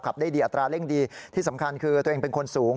ได้ดีอัตราเร่งดีที่สำคัญคือตัวเองเป็นคนสูง